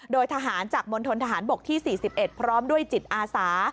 โดยทหารจากมณฑนทหารบกที่๔๑พร้อมด้วยจิตอาสา